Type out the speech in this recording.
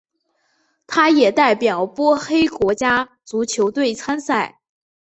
他也代表波黑国家足球队参赛。